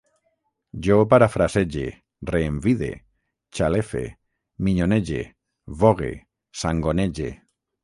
Jo parafrasege, reenvide, xalefe, minyonege, vogue, sangonege